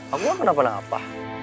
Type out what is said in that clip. aku aku kenapa kenapa